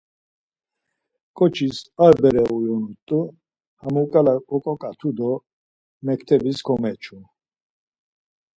Ǩoçis ar bere uyonut̆u. Hamuǩala oǩoǩatu do mektebis komeçu.